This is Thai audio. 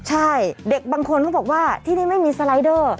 ใช่เด็กบางคนเขาบอกว่าที่นี่ไม่มีสไลเดอร์